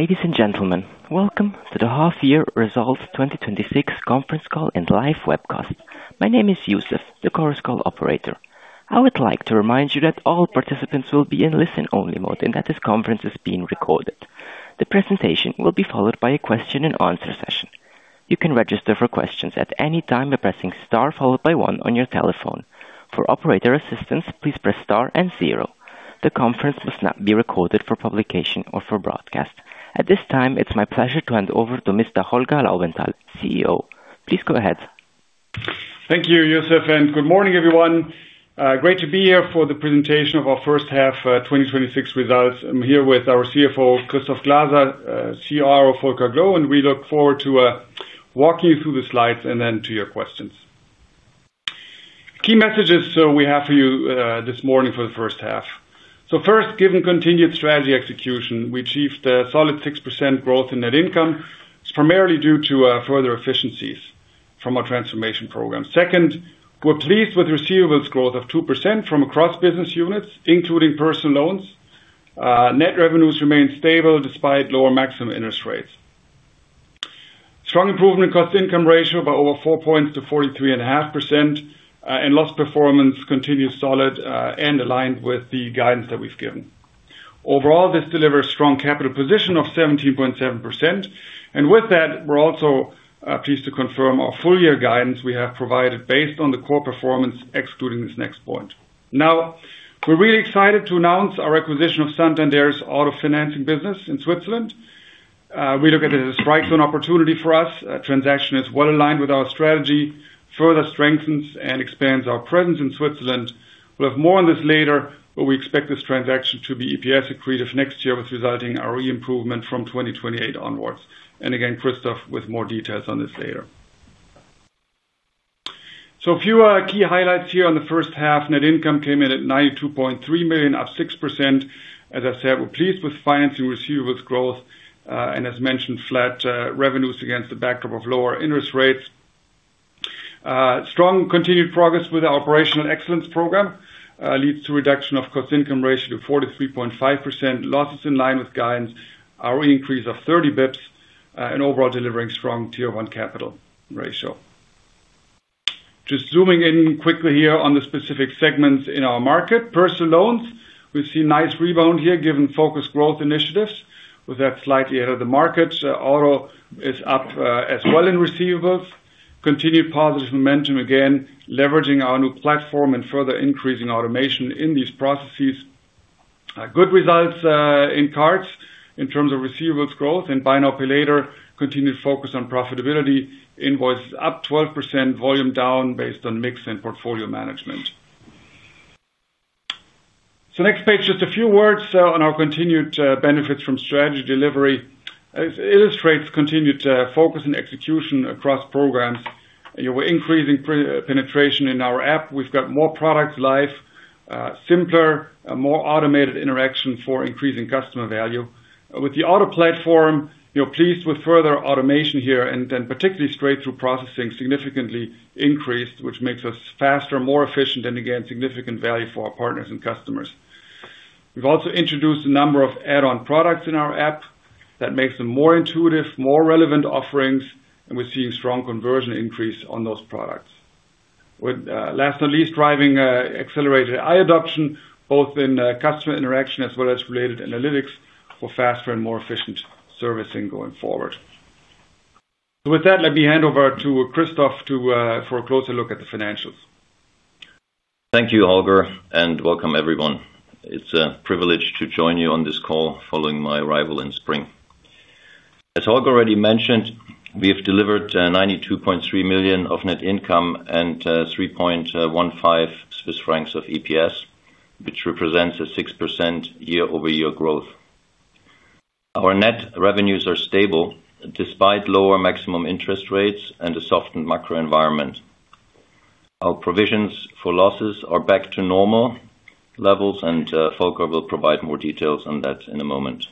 Ladies and gentlemen, welcome to the Half-Year Results 2026 Conference Call and Live Webcast. My name is Yusuf, the conference call operator. I would like to remind you that all participants will be in listen-only mode and that this conference is being recorded. The presentation will be followed by a question and answer session. You can register for questions at any time by pressing star followed by one on your telephone. For operator assistance, please press star and zero. The conference must not be recorded for publication or for broadcast. At this time, it is my pleasure to hand over to Mr. Holger Laubenthal, CEO. Please go ahead. Thank you, Yusuf, and good morning, everyone. Great to be here for the presentation of our first half 2026 results. I am here with our CFO, Christoph Glaser, CRO Volker Gloe, and we look forward to walking you through the slides and then to your questions. Key messages we have for you this morning for the first half. First, given continued strategy execution, we achieved a solid 6% growth in net income. It is primarily due to further efficiencies from our transformation program. Second, we are pleased with receivables growth of 2% from across business units, including personal loans. Net revenues remain stable despite lower maximum interest rates. Strong improvement in cost income ratio by over 4 points to 43.5%, and loss performance continues solid and aligned with the guidance that we have given. Overall, this delivers strong capital position of 17.7%. With that, we are also pleased to confirm our full-year guidance we have provided based on the core performance excluding this next point. Now, we are really excited to announce our acquisition of Santander's auto financing business in Switzerland. We look at it as a right zone opportunity for us. Transaction is well-aligned with our strategy, further strengthens and expands our presence in Switzerland. We will have more on this later, but we expect this transaction to be EPS accretive next year with resulting ROE improvement from 2028 onwards. Again, Christoph with more details on this later. A few key highlights here on the first half. Net income came in at 92.3 million, up 6%. As I said, we are pleased with financing receivables growth. As mentioned, flat revenues against the backdrop of lower interest rates. Strong continued progress with our operational excellence program leads to reduction of cost income ratio to 43.5%. Losses in line with guidance, ROE increase of 30 basis points, and overall delivering strong Tier 1 capital ratio. Just zooming in quickly here on the specific segments in our market. Personal loans, we see nice rebound here given focused growth initiatives. With that slightly ahead of the market. Auto is up as well in receivables. Continued positive momentum, again, leveraging our new platform and further increasing automation in these processes. Good results in cards in terms of receivables growth and Buy Now Pay Later continued focus on profitability. Invoices up 12%, volume down based on mix and portfolio management. Next page, just a few words on our continued benefits from strategy delivery. It illustrates continued focus and execution across programs. We are increasing penetration in our app. We've got more products live, simpler, more automated interaction for increasing customer value. With the auto platform, pleased with further automation here and then particularly straight through processing significantly increased, which makes us faster, more efficient, and again, significant value for our partners and customers. We've also introduced a number of add-on products in our app that makes them more intuitive, more relevant offerings, and we're seeing strong conversion increase on those products. With last but not least, driving accelerated AI adoption, both in customer interaction as well as related analytics for faster and more efficient servicing going forward. With that, let me hand over to Christoph for a closer look at the financials. Thank you, Holger, and welcome everyone. It's a privilege to join you on this call following my arrival in spring. As Holger already mentioned, we have delivered 92.3 million of net income and 3.15 Swiss francs of EPS, which represents a 6% year-over-year growth. Our net revenues are stable despite lower maximum interest rates and a softened macro environment. Our provisions for losses are back to normal levels, and Holger will provide more details on that in a moment.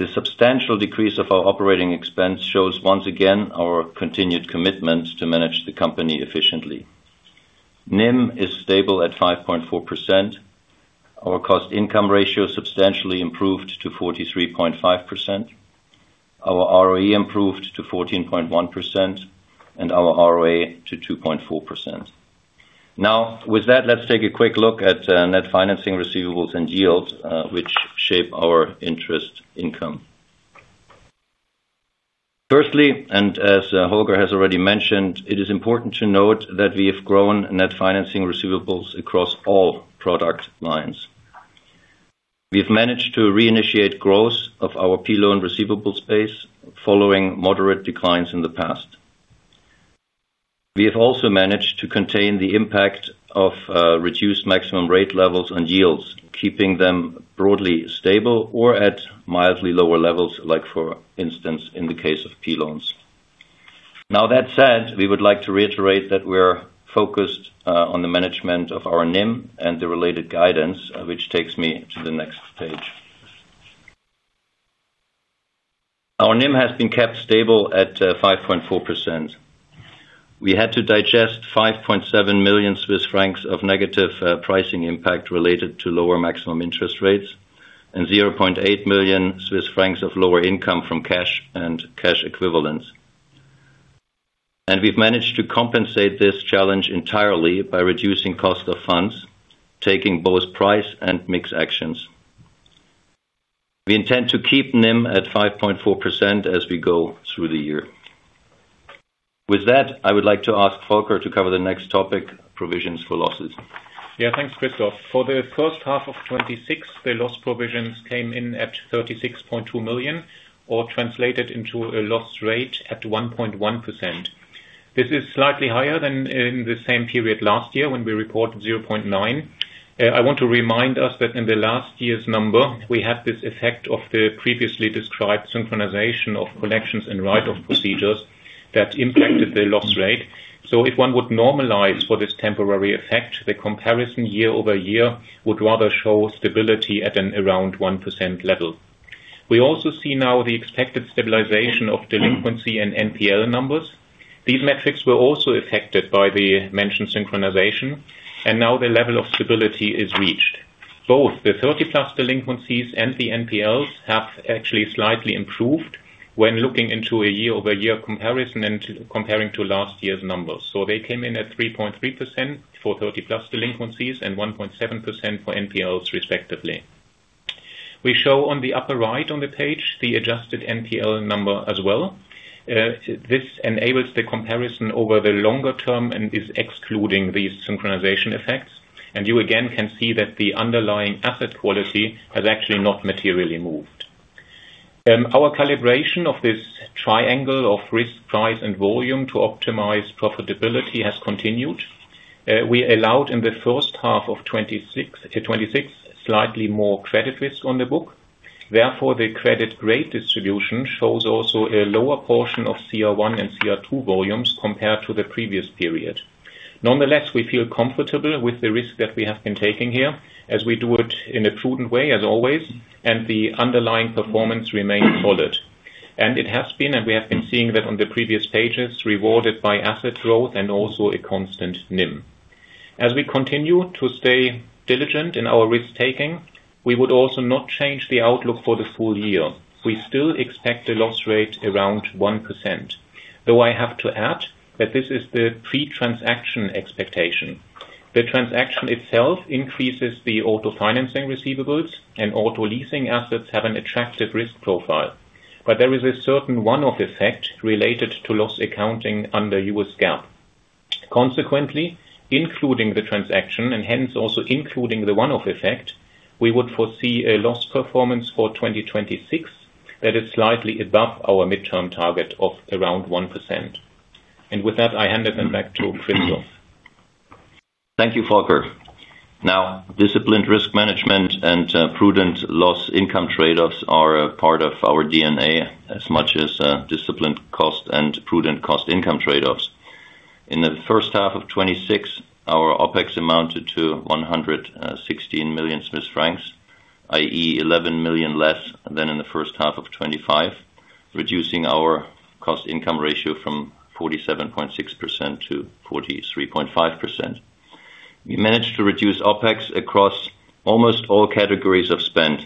The substantial decrease of our operating expense shows once again our continued commitment to manage the company efficiently. NIM is stable at 5.4%. Our cost income ratio substantially improved to 43.5%. Our ROE improved to 14.1% and our ROA to 2.4%. With that, let's take a quick look at net financing receivables and yields, which shape our interest income. Firstly, as Holger has already mentioned, it is important to note that we have grown net financing receivables across all product lines. We've managed to reinitiate growth of our P-loan receivable space following moderate declines in the past. We have also managed to contain the impact of reduced maximum rate levels and yields, keeping them broadly stable or at mildly lower levels, like for instance, in the case of P-loans. That said, we would like to reiterate that we're focused on the management of our NIM and the related guidance, which takes me to the next page. Our NIM has been kept stable at 5.4%. We had to digest 5.7 million Swiss francs of negative pricing impact related to lower maximum interest rates and 0.8 million Swiss francs of lower income from cash and cash equivalents. We've managed to compensate this challenge entirely by reducing cost of funds, taking both price and mix actions. We intend to keep NIM at 5.4% as we go through the year. With that, I would like to ask Volker to cover the next topic, provisions for losses. Thanks, Christoph. For the first half of 2026, the loss provisions came in at 36.2 million or translated into a loss rate at 1.1%. This is slightly higher than in the same period last year when we reported 0.9%. I want to remind us that in the last year's number, we had this effect of the previously described synchronization of collections and write-off procedures that impacted the loss rate. If one would normalize for this temporary effect, the comparison year-over-year would rather show stability at an around 1% level. We also see now the expected stabilization of delinquency and NPL numbers. These metrics were also affected by the mentioned synchronization, and now the level of stability is reached. Both the 30+ delinquencies and the NPLs have actually slightly improved when looking into a year-over-year comparison and comparing to last year's numbers. They came in at 3.3% for 30+ delinquencies and 1.7% for NPLs respectively. We show on the upper right on the page the adjusted NPL number as well. This enables the comparison over the longer term and is excluding these synchronization effects. You again can see that the underlying asset quality has actually not materially moved. Our calibration of this triangle of risk, price, and volume to optimize profitability has continued. We allowed in the first half of 2026 slightly more credit risk on the book. Therefore, the credit grade distribution shows also a lower portion of CR1 and CR2 volumes compared to the previous period. Nonetheless, we feel comfortable with the risk that we have been taking here as we do it in a prudent way as always, and the underlying performance remains solid. It has been, and we have been seeing that on the previous pages, rewarded by asset growth and also a constant NIM. As we continue to stay diligent in our risk-taking, we would also not change the outlook for the full year. We still expect a loss rate around 1%. Though I have to add that this is the pre-transaction expectation. The transaction itself increases the auto financing receivables and auto leasing assets have an attractive risk profile. There is a certain one-off effect related to loss accounting under U.S. GAAP. Consequently, including the transaction and hence also including the one-off effect, we would foresee a loss performance for 2026 that is slightly above our midterm target of around 1%. With that, I hand it then back to Christoph. Thank you, Volker. Now, disciplined risk management and prudent loss income trade-offs are a part of our DNA as much as disciplined cost and prudent cost income trade-offs. In the first half of 2026, our OpEx amounted to 116 million Swiss francs, i.e., 11 million francs less than in the first half of 2025, reducing our cost income ratio from 47.6% to 43.5%. We managed to reduce OpEx across almost all categories of spend.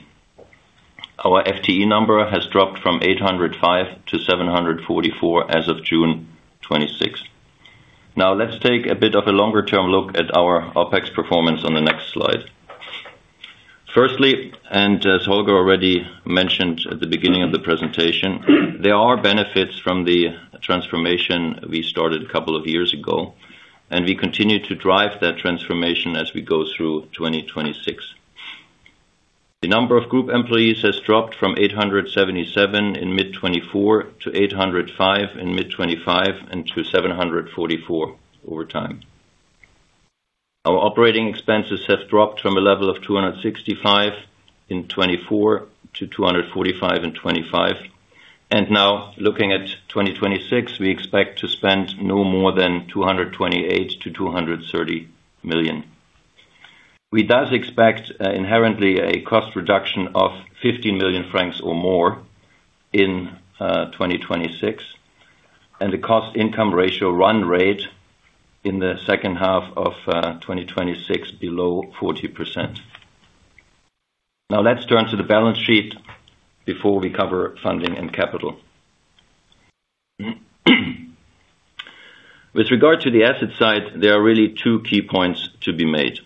Our FTE number has dropped from 805 to 744 as of June 2026. Let's take a bit of a longer-term look at our OpEx performance on the next slide. Firstly, as Volker already mentioned at the beginning of the presentation, there are benefits from the transformation we started a couple of years ago, and we continue to drive that transformation as we go through 2026. The number of group employees has dropped from 877 in mid-2024 to 805 in mid-2025 and to 744 over time. Our operating expenses have dropped from a level of 265 million in 2024 to 245 million in 2025. Now looking at 2026, we expect to spend no more than 228 million-230 million. We thus expect inherently a cost reduction of 15 million francs or more in 2026, and the cost income ratio run rate in the second half of 2026 below 40%. Now let's turn to the balance sheet before we cover funding and capital. With regard to the asset side, there are really two key points to be made.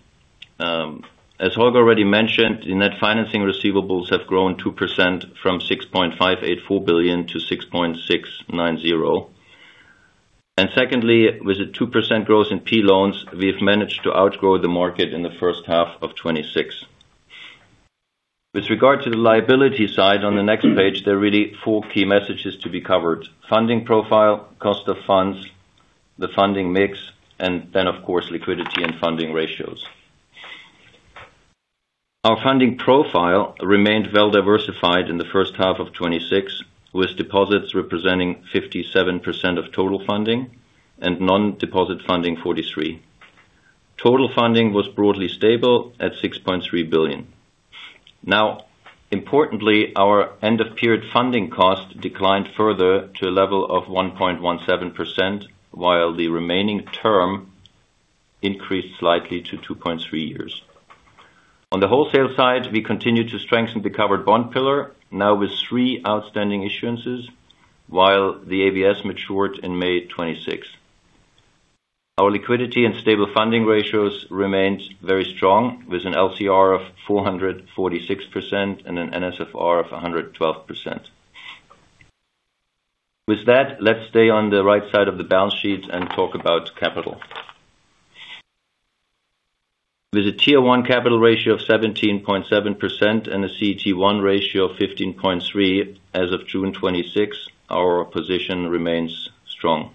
As Volker already mentioned, in that financing receivables have grown 2% from 6.584 billion to 6.690 billion. Secondly, with a 2% growth in P-loans, we have managed to outgrow the market in the first half of 2026. With regard to the liability side on the next page, there are really four key messages to be covered. Funding profile, cost of funds, the funding mix, and then of course liquidity and funding ratios. Our funding profile remained well diversified in the first half of 2026, with deposits representing 57% of total funding and non-deposit funding 43%. Total funding was broadly stable at 6.3 billion. Importantly, our end-of-period funding cost declined further to a level of 1.17%, while the remaining term increased slightly to 2.3 years. On the wholesale side, we continued to strengthen the covered bond pillar, now with three outstanding issuances, while the ABS matured in May 2026. Our liquidity and stable funding ratios remained very strong, with an LCR of 446% and an NSFR of 112%. With that, let's stay on the right side of the balance sheet and talk about capital. With a Tier 1 capital ratio of 17.7% and a CET1 ratio of 15.3% as of June 2026, our position remains strong.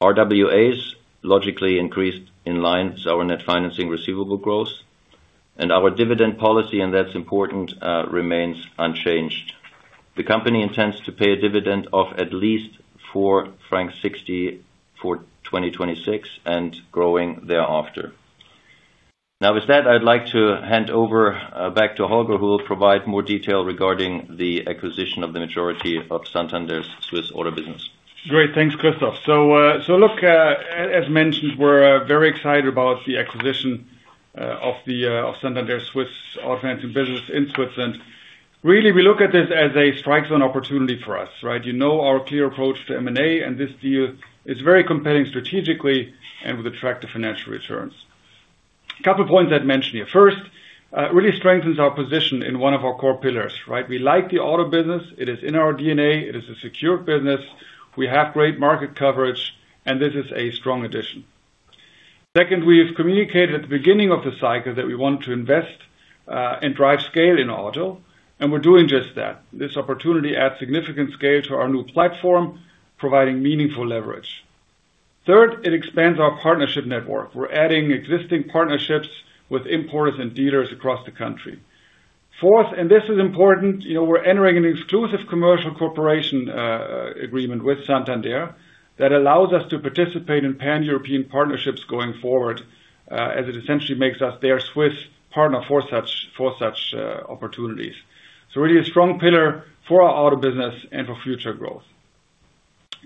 RWAs logically increased in line with our net financing receivable growth. Our dividend policy, and that's important, remains unchanged. The company intends to pay a dividend of at least 4.60 francs for 2026 and growing thereafter. Now, with that, I'd like to hand over back to Holger, who will provide more detail regarding the acquisition of the majority of Santander's Swiss auto business. Great. Thanks, Christoph. Look, as mentioned, we're very excited about the acquisition of Santander Swiss auto financing business in Switzerland. Really, we look at this as a strike zone opportunity for us. You know our clear approach to M&A, and this deal is very compelling strategically and with attractive financial returns. Couple points I'd mention here. First, really strengthens our position in one of our core pillars. We like the auto business. It is in our DNA. It is a secure business. We have great market coverage, and this is a strong addition. Second, we have communicated at the beginning of the cycle that we want to invest and drive scale in auto, and we're doing just that. This opportunity adds significant scale to our new platform, providing meaningful leverage. Third, it expands our partnership network. We're adding existing partnerships with importers and dealers across the country. Fourth, this is important, we're entering an exclusive commercial cooperation agreement with Santander that allows us to participate in pan-European partnerships going forward, as it essentially makes us their Swiss partner for such opportunities. Really a strong pillar for our auto business and for future growth.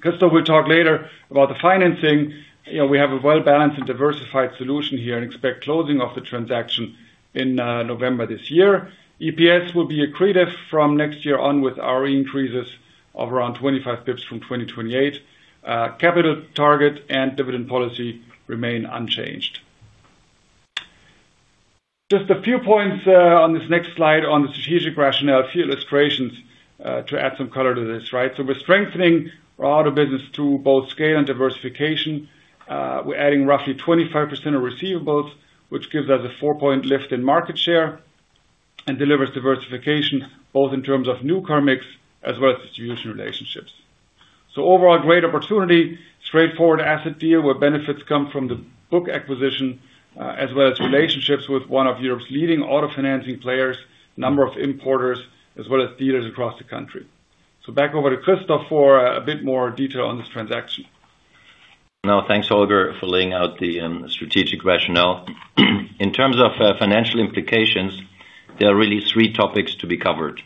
Christoph will talk later about the financing. We have a well-balanced and diversified solution here and expect closing of the transaction in November this year. EPS will be accretive from next year on with ROE increases of around 25 basis points from 2028. Capital target and dividend policy remain unchanged. Just a few points on this next slide on the strategic rationale. A few illustrations to add some color to this. We're strengthening our auto business through both scale and diversification. We're adding roughly 25% of receivables, which gives us a four-point lift in market share and delivers diversification both in terms of new car mix as well as distribution relationships. Overall, great opportunity, straightforward asset deal where benefits come from the book acquisition, as well as relationships with one of Europe's leading auto financing players, number of importers, as well as dealers across the country. Back over to Christoph for a bit more detail on this transaction. Thanks, Holger, for laying out the strategic rationale. In terms of financial implications, there are really three topics to be covered.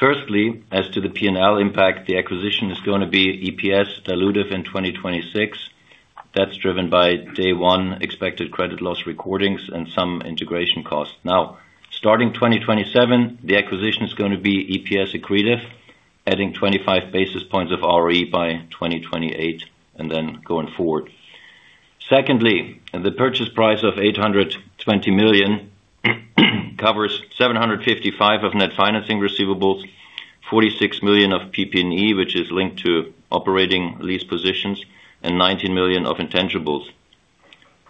Firstly, as to the P&L impact, the acquisition is going to be EPS dilutive in 2026. That's driven by day one expected credit loss recordings and some integration costs. Starting 2027, the acquisition is going to be EPS accretive, adding 25 basis points of ROE by 2028 and then going forward. Secondly, the purchase price of 820 million covers 755 million of net financing receivables, 46 million of PP&E, which is linked to operating lease positions, and 19 million of intangibles.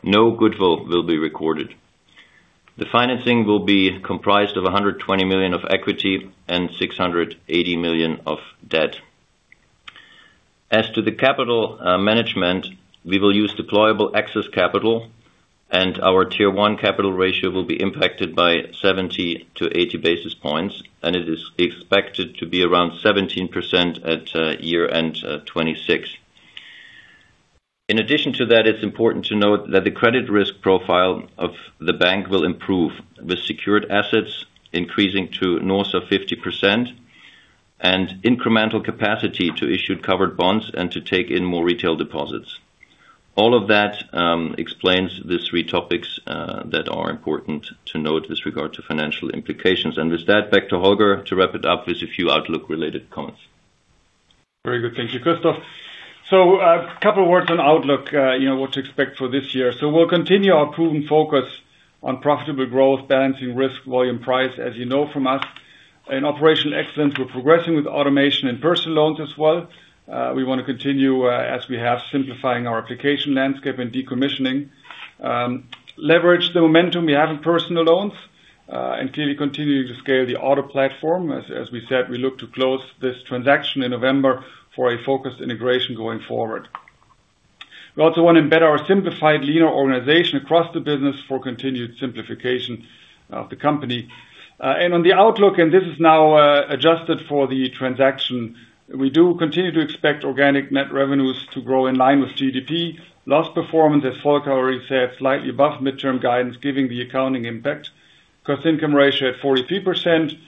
No goodwill will be recorded. The financing will be comprised of 120 million of equity and 680 million of debt. As to the capital management, we will use deployable excess capital, our Tier 1 capital ratio will be impacted by 70-80 basis points, and it is expected to be around 17% at year-end 2026. In addition to that, it's important to note that the credit risk profile of the bank will improve, with secured assets increasing to north of 50% and incremental capacity to issue covered bonds and to take in more retail deposits. All of that explains the three topics that are important to note with regard to financial implications. With that, back to Holger to wrap it up with a few outlook-related comments. Very good. Thank you, Christoph. A couple words on outlook, what to expect for this year. We'll continue our proven focus on profitable growth, balancing risk, volume, price, as you know from us. In operational excellence, we're progressing with automation and personal loans as well. We want to continue, as we have, simplifying our application landscape and decommissioning. Leverage the momentum we have in personal loans, clearly continuing to scale the auto platform. As we said, we look to close this transaction in November for a focused integration going forward. We also want to embed our simplified leaner organization across the business for continued simplification of the company. On the outlook, and this is now adjusted for the transaction, we do continue to expect organic net revenues to grow in line with GDP. Last performance, as Volker already said, slightly above mid-term guidance, giving the accounting impact. Cost income ratio at 43%.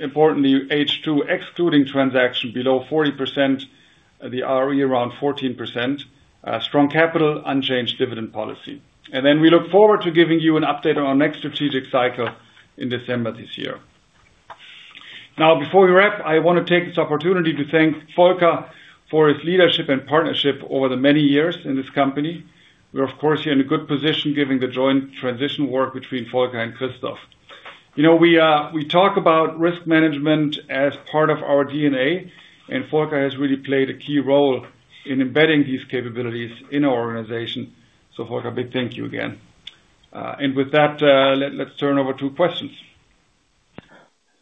Importantly, H2 excluding transaction below 40%, the ROE around 14%. Strong capital, unchanged dividend policy. We look forward to giving you an update on our next strategic cycle in December this year. Now, before we wrap, I want to take this opportunity to thank Volker for his leadership and partnership over the many years in this company. We are, of course, in a good position given the joint transition work between Volker and Christoph. We talk about risk management as part of our DNA, Volker has really played a key role in embedding these capabilities in our organization. Volker, a big thank you again. With that, let's turn over to questions.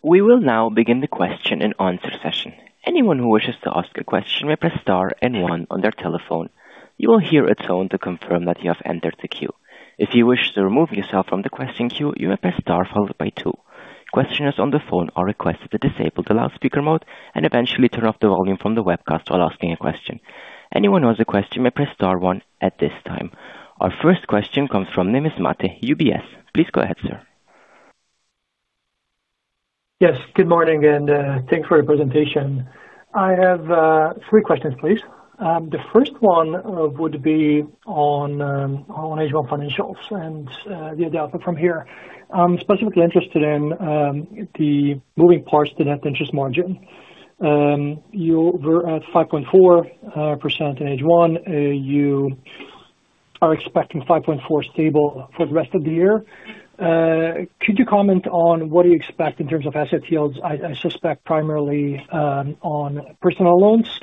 We will now begin the question and answer session. Anyone who wishes to ask a question may press star and one on their telephone. You will hear a tone to confirm that you have entered the queue. If you wish to remove yourself from the question queue, you may press star followed by two. Questioners on the phone are requested to disable the loudspeaker mode and eventually turn off the volume from the webcast while asking a question. Anyone who has a question may press star one at this time. Our first question comes from Manish Mehta, UBS. Please go ahead, sir. Yes, good morning, thanks for the presentation. I have three questions, please. The first one would be on H1 financials and the outlook from here. I'm specifically interested in the moving parts, the net interest margin. You were at 5.4% in H1. You are expecting 5.4% stable for the rest of the year. Could you comment on what do you expect in terms of asset yields? I suspect primarily on personal loans.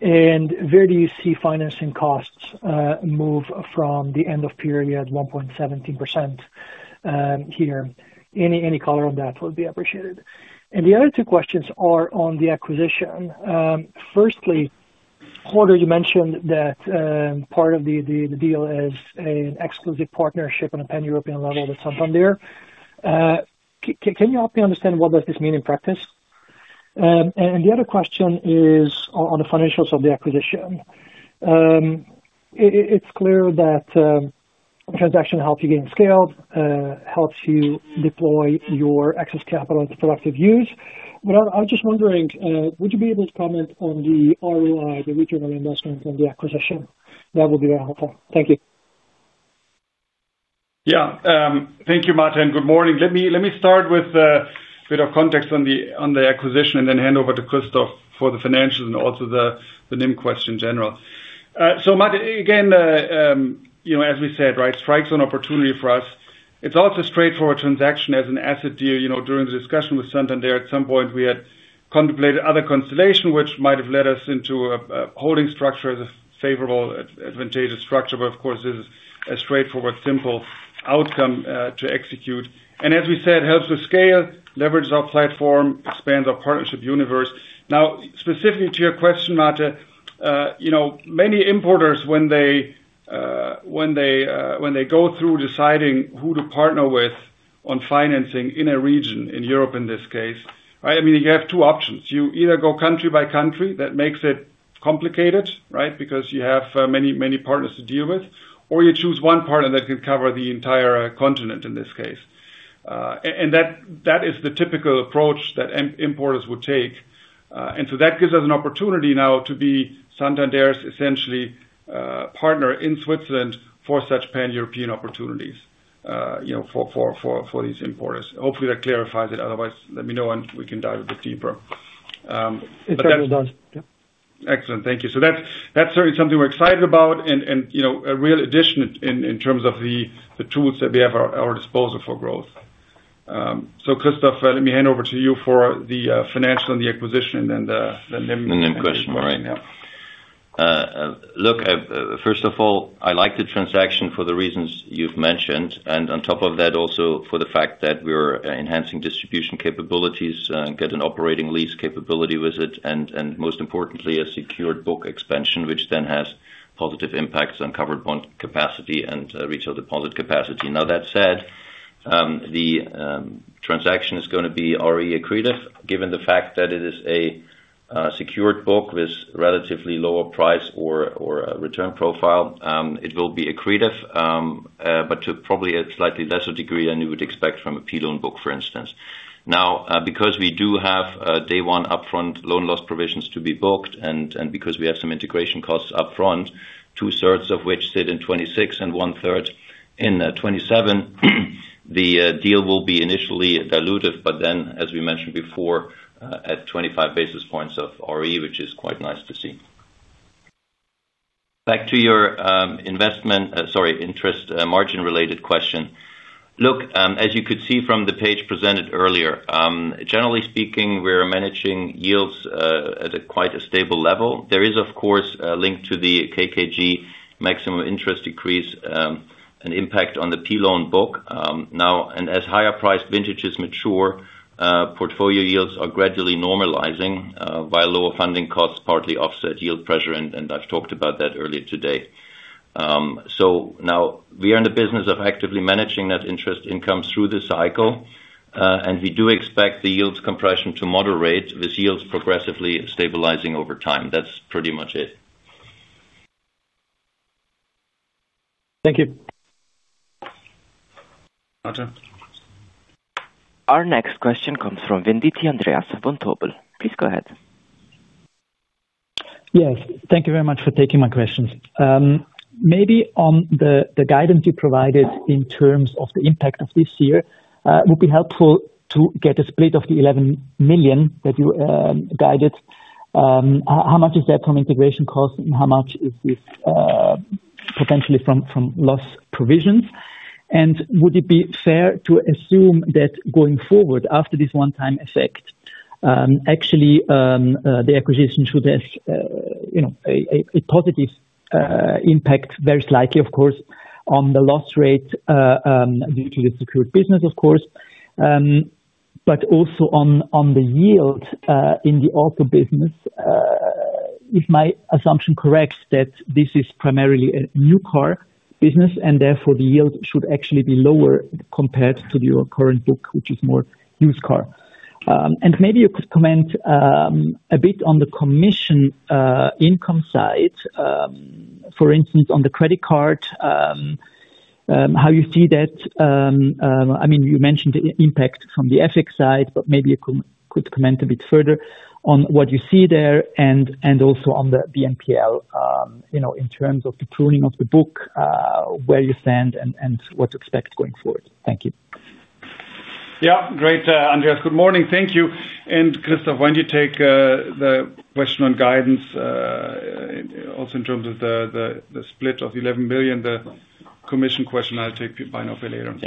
Where do you see financing costs move from the end of period 1.70% here? Any color on that would be appreciated. The other two questions are on the acquisition. Firstly, Holger you mentioned that part of the deal is an exclusive partnership on a pan-European level with Santander. Can you help me understand what does this mean in practice? The other question is on the financials of the acquisition. It's clear that transaction helps you gain scale, helps you deploy your excess capital into productive use. I was just wondering, would you be able to comment on the ROI, the return on investment on the acquisition? That would be very helpful. Thank you. Thank you, Mehta, and good morning. Let me start with a bit of context on the acquisition and then hand over to Christoph for the financials and also the NIM question in general. Mehta, again, as we said, strikes an opportunity for us. It's also a straightforward transaction as an asset deal. During the discussion with Santander, at some point we had contemplated other consideration, which might have led us into a holding structure as a favorable advantageous structure, of course, it is a straightforward, simple outcome to execute. As we said, helps with scale, leverage our platform, expands our partnership universe. Specifically to your question, Mehta, many importers when they go through deciding who to partner with on financing in a region, in Europe in this case, you have two options. You either go country by country, that makes it complicated. Because you have many partners to deal with, or you choose one partner that can cover the entire continent in this case. That is the typical approach that importers would take. That gives us an opportunity now to be Santander's essentially partner in Switzerland for such pan-European opportunities for these importers. Hopefully that clarifies it, otherwise let me know and we can dive a bit deeper. It does. Excellent. Thank you. That's certainly something we're excited about and a real addition in terms of the tools that we have at our disposal for growth. Christoph, let me hand over to you for the financial and the acquisition and the NIM question. The NIM question. All right. Look, first of all, I like the transaction for the reasons you've mentioned. On top of that, also for the fact that we're enhancing distribution capabilities, get an operating lease capability with it, and most importantly, a secured book expansion, which then has positive impacts on covered bond capacity and retail deposit capacity. That said, the transaction is going to be ROE accretive given the fact that it is a secured book with relatively lower price or return profile. It will be accretive, but to probably a slightly lesser degree than you would expect from a P-loan book, for instance. Because we do have day one upfront loan loss provisions to be booked and because we have some integration costs upfront, two-thirds of which sit in 2026 and one-third in 2027, the deal will be initially dilutive, but then as we mentioned before, at 25 basis points of ROE, which is quite nice to see. Back to your interest margin-related question. Look, as you could see from the page presented earlier, generally speaking, we're managing yields at a quite a stable level. There is, of course, a link to the KKG maximum interest decrease, an impact on the P-loan book. As higher priced vintages mature, portfolio yields are gradually normalizing via lower funding costs partly offset yield pressure, and I've talked about that earlier today. Now we are in the business of actively managing that interest income through the cycle. We do expect the yields compression to moderate with yields progressively stabilizing over time. That's pretty much it. Thank you. Other. Our next question comes from Andreas von Thoppel. Please go ahead. Yes. Thank you very much for taking my questions. Maybe on the guidance you provided in terms of the impact of this year, it would be helpful to get a split of the 11 million that you guided. How much is that from integration costs and how much is this potentially from loss provisions? Would it be fair to assume that going forward after this one-time effect, actually, the acquisition should have a positive impact, very slightly, of course, on the loss rate, due to the secured business, of course. But also on the yield in the auto business, is my assumption correct that this is primarily a new car business and therefore the yield should actually be lower compared to your current book, which is more used car. Maybe you could comment a bit on the commission income side. For instance, on the credit card, how you see that. You mentioned the impact from the FX side, maybe you could comment a bit further on what you see there and also on the BNPL in terms of the pruning of the book, where you stand and what to expect going forward. Thank you. Yeah. Great, Andreas. Good morning. Thank you. Christoph, why don't you take the question on guidance, also in terms of the split of 11 million. The commission question I'll take by now for later on.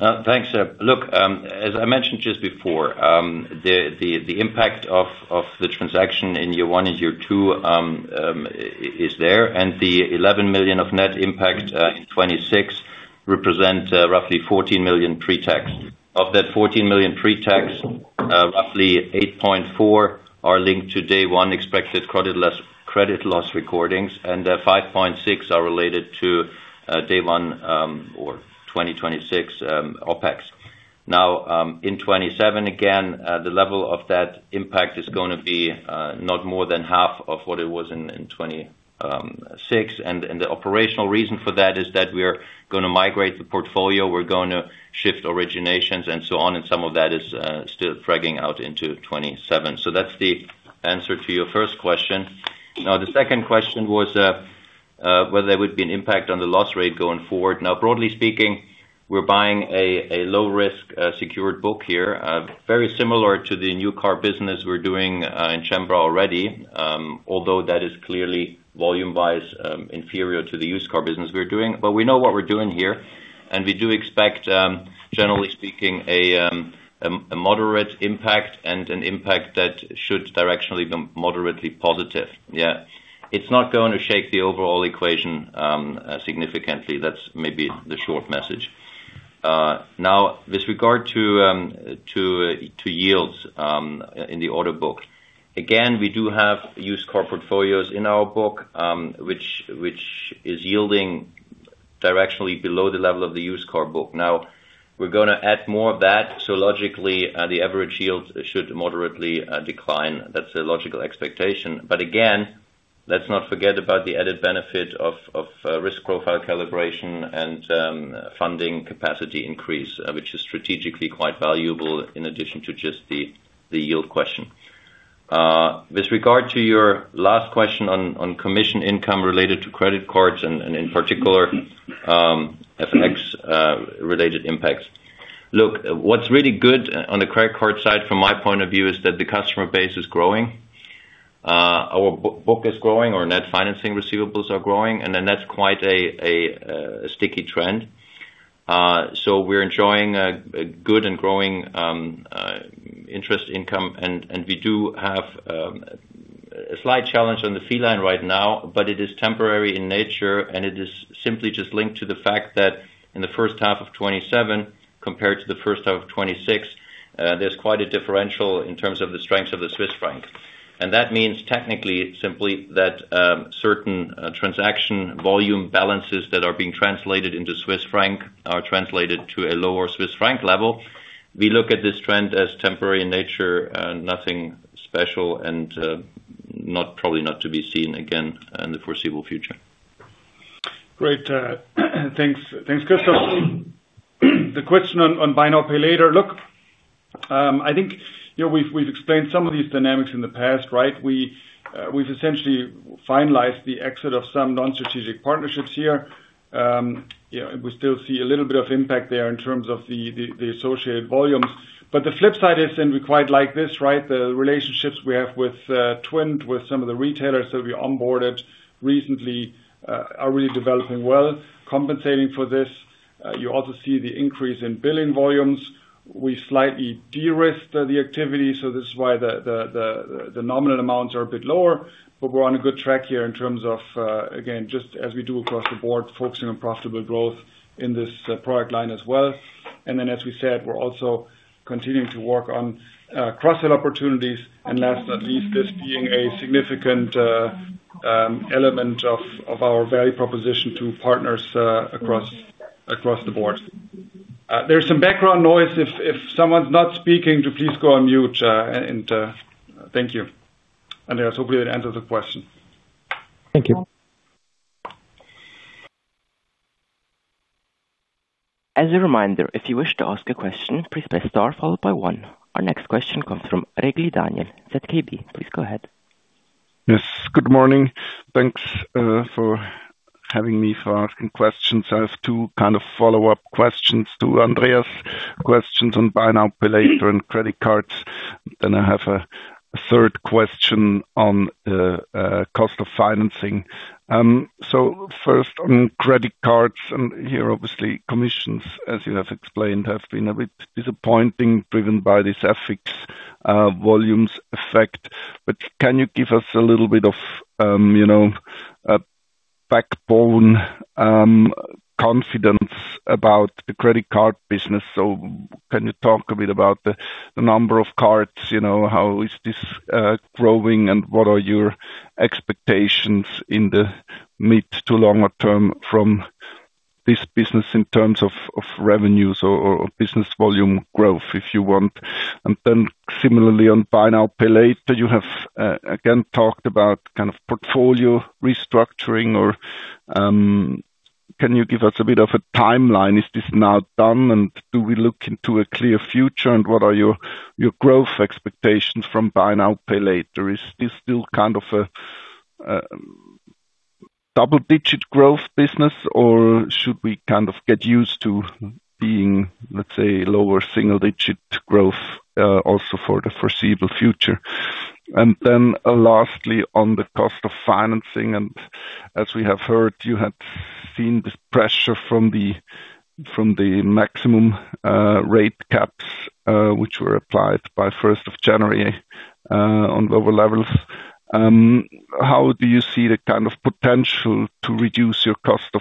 Yeah. Thanks. Look, as I mentioned just before, the impact of the transaction in year one and year two is there. The 11 million of net impact in 2026 represent roughly 14 million pre-tax. Of that 14 million pre-tax, roughly 8.4 million are linked to day one expected credit loss recordings, and 5.6 million are related to day one or 2026 OpEx. In 2027, again, the level of that impact is going to be not more than half of what it was in 2026. The operational reason for that is that we are going to migrate the portfolio. We're going to shift originations and so on, and some of that is still fragging out into 2027. That's the answer to your first question. The second question was whether there would be an impact on the loss rate going forward. Broadly speaking, we're buying a low risk secured book here, very similar to the new car business we're doing in Cembra already. Although that is clearly volume-wise inferior to the used car business we're doing. We know what we're doing here, and we do expect, generally speaking, a moderate impact and an impact that should directionally be moderately positive. Yeah. It's not going to shake the overall equation significantly. That's maybe the short message. With regard to yields in the order book. Again, we do have used car portfolios in our book, which is yielding directionally below the level of the used car book. We're going to add more of that. Logically, the average yield should moderately decline. That's the logical expectation. Again, let's not forget about the added benefit of risk profile calibration and funding capacity increase, which is strategically quite valuable in addition to just the yield question. With regard to your last question on commission income related to credit cards and in particular FX related impacts. Look, what's really good on the credit card side from my point of view is that the customer base is growing. Our book is growing, our net financing receivables are growing, that's quite a sticky trend. We're enjoying a good and growing interest income and we do have a slight challenge on the fee line right now, but it is temporary in nature, and it is simply just linked to the fact that in the first half of 2027 compared to the first half of 2026, there's quite a differential in terms of the strengths of the Swiss franc. That means technically, simply that certain transaction volume balances that are being translated into Swiss franc are translated to a lower Swiss franc level. We look at this trend as temporary in nature and nothing special and probably not to be seen again in the foreseeable future. Great. Thanks, Christoph. The question on buy now, pay later. Look, I think we've explained some of these dynamics in the past, right? We've essentially finalized the exit of some non-strategic partnerships here. We still see a little bit of impact there in terms of the associated volumes. The flip side is, and we quite like this, right? The relationships we have with TWINT, with some of the retailers that we onboarded recently are really developing well, compensating for this. You also see the increase in billing volumes. We slightly de-risked the activity, so this is why the nominal amounts are a bit lower, but we're on a good track here in terms of, again, just as we do across the board, focusing on profitable growth in this product line as well. Then, as we said, we're also continuing to work on cross-sell opportunities, and that's at least this being a significant element of our value proposition to partners across the board. There's some background noise. If someone's not speaking, please go on mute. Thank you. Andreas, hopefully that answers the question. Thank you. As a reminder, if you wish to ask a question, please press star followed by one. Our next question comes from Regli Daniel, ZKB. Please go ahead. Yes, good morning. Thanks for having me for asking questions. I have two follow-up questions to Andreas, questions on buy now, pay later and credit cards. I have a third question on cost of financing. First on credit cards, here, obviously commissions, as you have explained, have been a bit disappointing driven by this FX volumes effect. Can you give us a little bit of backbone confidence about the credit card business? Can you talk a bit about the number of cards, how is this growing, and what are your expectations in the mid to longer term from this business in terms of revenues or business volume growth, if you want? Similarly on buy now, pay later, you have again, talked about portfolio restructuring or can you give us a bit of a timeline? Is this now done and do we look into a clear future and what are your growth expectations from buy now, pay later? Is this still a double-digit growth business or should we get used to being, let's say, lower single-digit growth, also for the foreseeable future? Lastly on the cost of financing, as we have heard, you had seen this pressure from the maximum rate caps, which were applied by 1st of January on lower levels. How do you see the kind of potential to reduce your cost of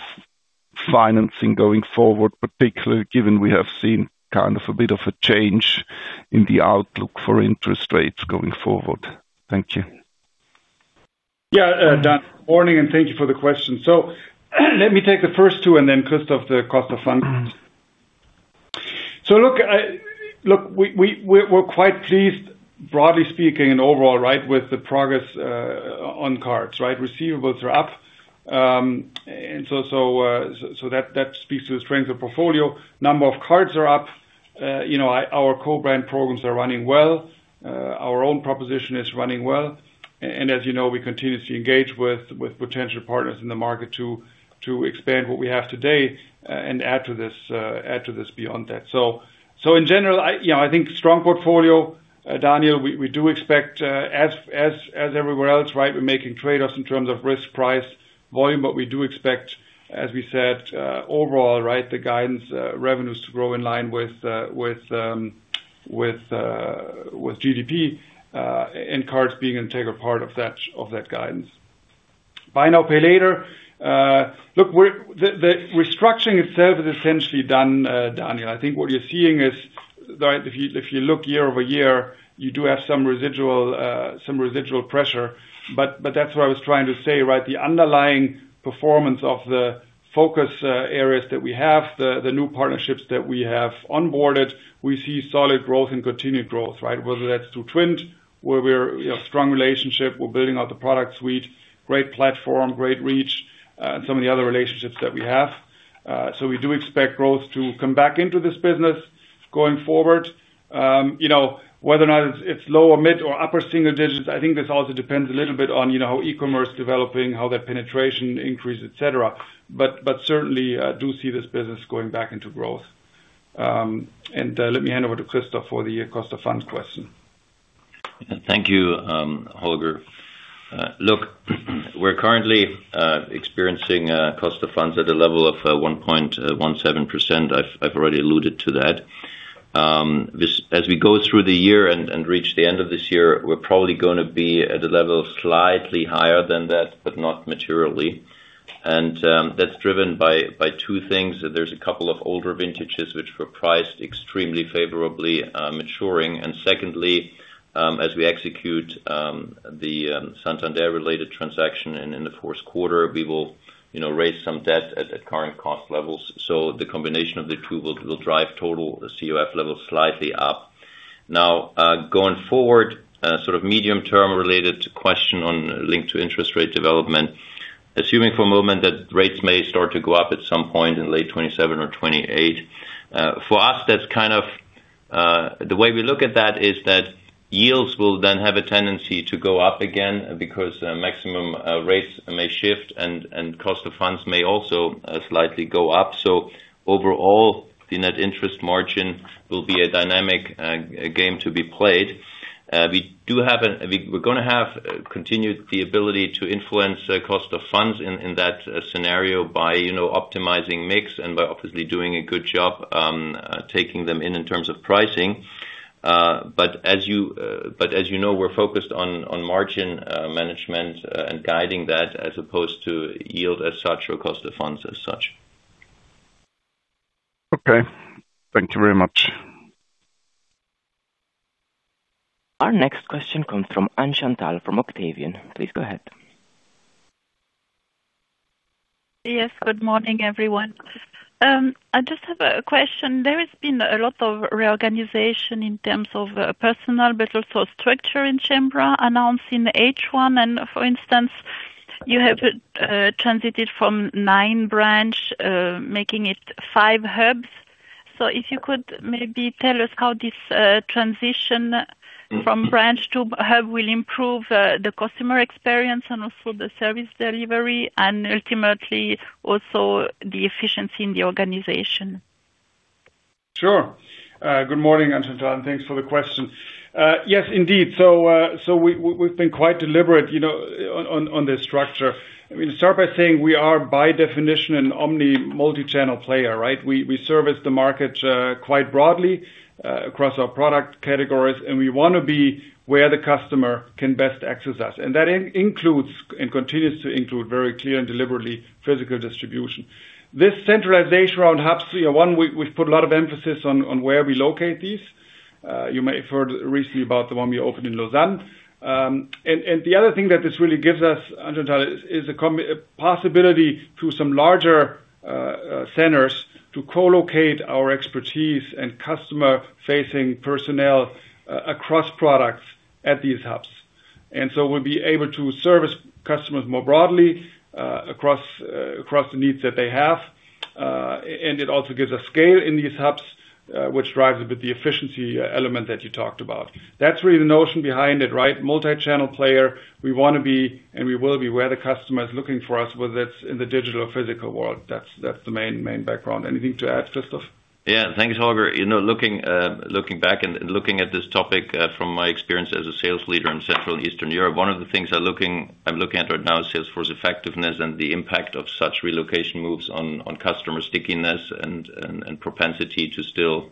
financing going forward, particularly given we have seen a bit of a change in the outlook for interest rates going forward? Thank you. Yeah. Dan, morning, thank you for the question. Let me take the first two and then Christoph, the cost of funds. Look, we're quite pleased, broadly speaking and overall with the progress on cards. Receivables are up. That speaks to the strength of portfolio. Number of cards are up. Our co-brand programs are running well. Our own proposition is running well. As you know, we continue to engage with potential partners in the market to expand what we have today and add to this beyond that. In general, I think strong portfolio, Daniel. We do expect, as everywhere else. We're making trade-offs in terms of risk, price, volume, but we do expect, as we said, overall the guidance revenues to grow in line with GDP and cards being an integral part of that guidance. Buy now, pay later. The restructuring itself is essentially done, Daniel. I think what you're seeing is if you look year-over-year, you do have some residual pressure. That's what I was trying to say. The underlying performance of the focus areas that we have, the new partnerships that we have onboarded, we see solid growth and continued growth. Whether that's through TWINT, where we have strong relationship, we're building out the product suite, great platform, great reach, and some of the other relationships that we have. We do expect growth to come back into this business going forward. Whether or not it's low or mid or upper single digits, I think this also depends a little bit on how e-commerce developing, how that penetration increase, et cetera. Certainly, I do see this business going back into growth. Let me hand over to Christoph for the cost of funds question. Thank you, Holger. Look, we're currently experiencing cost of funds at a level of 1.17%. I've already alluded to that. As we go through the year and reach the end of this year, we're probably going to be at a level slightly higher than that, but not materially. That's driven by two things. There's a couple of older vintages which were priced extremely favorably maturing. Secondly, as we execute the Santander-related transaction in the fourth quarter, we will raise some debt at current cost levels. The combination of the two will drive total COF levels slightly up. Going forward, medium-term related to question on link to interest rate development. Assuming for a moment that rates may start to go up at some point in late 2027 or 2028. For us, the way we look at that is that yields will then have a tendency to go up again because maximum rates may shift and cost of funds may also slightly go up. Overall, the net interest margin will be a dynamic game to be played. We're going to have continued the ability to influence cost of funds in that scenario by optimizing mix and by obviously doing a good job taking them in in terms of pricing. As you know, we're focused on margin management and guiding that as opposed to yield as such or cost of funds as such. Thank you very much. Our next question comes from Anne-Chantal from Octavian. Please go ahead. Yes, good morning, everyone. I just have a question. There has been a lot of reorganization in terms of personnel, but also structure in Cembra announced in H1. For instance, you have transited from nine branch, making it five hubs. If you could maybe tell us how this transition from branch to hub will improve the customer experience and also the service delivery and ultimately also the efficiency in the organization. Sure. Good morning, Anne-Chantal, and thanks for the question. Yes, indeed. We've been quite deliberate on the structure. Let me start by saying we are by definition an omni multi-channel player, right? We service the market quite broadly across our product categories, and we want to be where the customer can best access us. That includes and continues to include very clear and deliberately physical distribution. This centralization around hubs, one, we've put a lot of emphasis on where we locate these. You may have heard recently about the one we opened in Lausanne. The other thing that this really gives us, Anne-Chantal, is a possibility through some larger centers to co-locate our expertise and customer-facing personnel across products at these hubs. We'll be able to service customers more broadly across the needs that they have. It also gives a scale in these hubs, which drives a bit the efficiency element that you talked about. That's really the notion behind it, right? Multi-channel player we want to be, and we will be, where the customer is looking for us, whether it's in the digital or physical world. That's the main background. Anything to add, Christoph? Thanks, Holger. Looking back and looking at this topic from my experience as a sales leader in Central Eastern Europe, one of the things I'm looking at right now is sales force effectiveness and the impact of such relocation moves on customer stickiness and propensity to still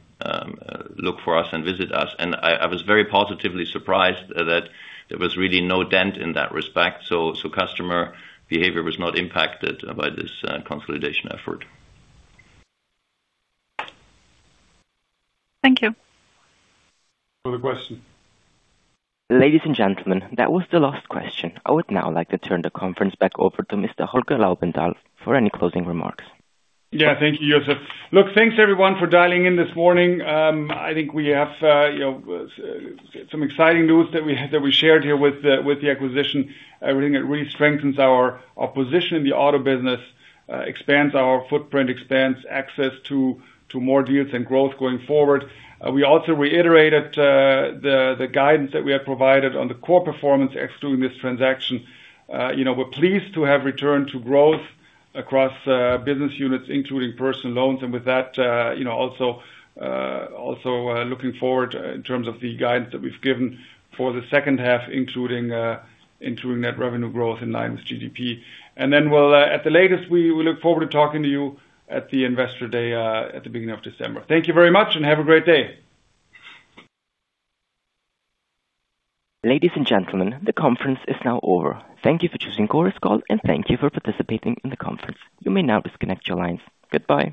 look for us and visit us. I was very positively surprised that there was really no dent in that respect. Customer behavior was not impacted by this consolidation effort. Thank you. Further question. Ladies and gentlemen, that was the last question. I would now like to turn the conference back over to Mr. Holger Laubenthal for any closing remarks. Thank you, Yusuf. Thanks everyone for dialing in this morning. I think we have some exciting news that we shared here with the acquisition. Everything that really strengthens our position in the auto business, expands our footprint, expands access to more deals and growth going forward. We also reiterated the guidance that we have provided on the core performance excluding this transaction. We're pleased to have returned to growth across business units, including personal loans. With that also looking forward in terms of the guidance that we've given for the second half, including net revenue growth in line with GDP. Then, at the latest, we look forward to talking to you at the Investor Day at the beginning of December. Thank you very much, and have a great day. Ladies and gentlemen, the conference is now over. Thank you for choosing Chorus Call, and thank you for participating in the conference. You may now disconnect your lines. Goodbye.